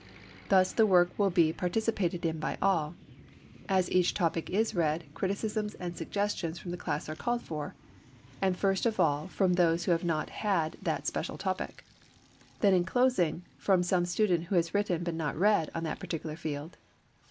Thus the work will be participated in by all. As each topic is read criticisms and suggestions from the class are called for; and first of all from those who have not had that special topic; then in closing, from some student who has written but not read on that particular field.